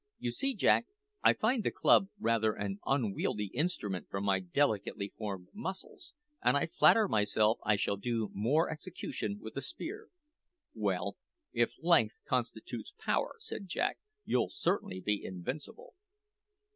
"You see, Jack, I find the club rather an unwieldy instrument for my delicately formed muscles, and I flatter myself I shall do more execution with a spear." "Well, if length constitutes power," said Jack, "you'll certainly be invincible."